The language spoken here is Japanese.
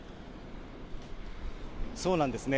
そうなんですね。